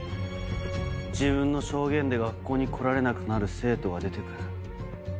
自分の証言で学校に来られなくなる生徒が出て来る。